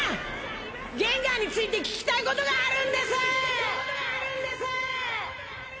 ゲンガーについて聞きたいことがあるんです！